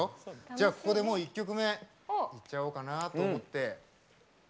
じゃあここでもう１曲目いっちゃおうかなと思って。